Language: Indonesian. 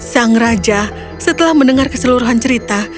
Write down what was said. sang raja setelah mendengar keseluruhan cerita